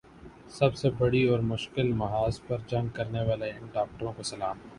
سب سے بڑی اور مشکل محاذ پر جنگ کرنے والے ان ڈاکٹروں کو سلام